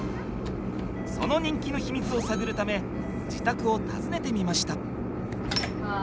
その人気の秘密を探るため自宅を訪ねてみました。